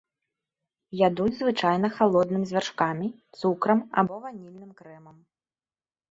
Ядуць звычайна халодным з вяршкамі, цукрам або ванільным крэмам.